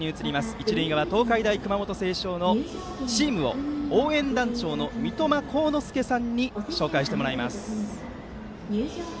一塁側、東海大熊本星翔のチームを応援団長の三笘航乃佑さんに紹介してもらいます。